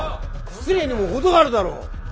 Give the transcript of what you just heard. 失礼にも程があるだろ！